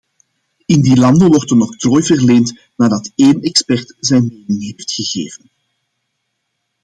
In die landen wordt een octrooi verleend nadat één expert zijn mening heeft gegeven.